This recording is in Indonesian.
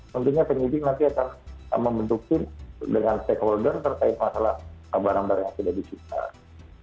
mungkinnya penyelidik nanti akan membentukkan dengan stakeholder terkait masalah barang barang yang tidak disipkan